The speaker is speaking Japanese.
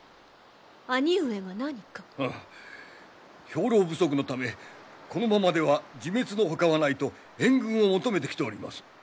兵糧不足のためこのままでは自滅のほかはないと援軍を求めてきております。